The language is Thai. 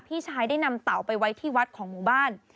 พี่ชายได้นำเต่าไปไว้ที่วัดของหมู่บ้าน